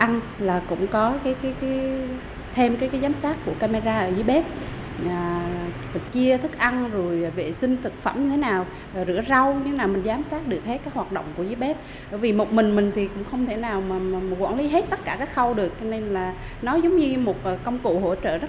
nó giống như một công cụ hỗ trợ rất là đắt lực cho mình